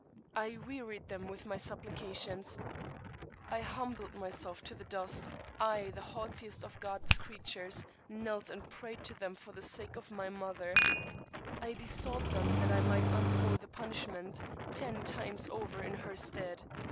I wearied them with my supplications. I humbled myself to the dust; I, the haughtiest of God's creatures, knelt and prayed to thein for the sak^ of my I.S2 ' Thomas De Quincey mother. I besought them that I might undergo the punish ment ten times over in her stead.